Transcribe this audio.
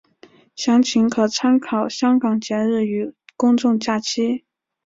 详情可参看香港节日与公众假期。